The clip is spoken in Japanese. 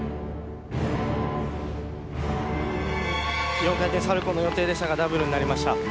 ４回転サルコーの予定でしたがダブルになりました。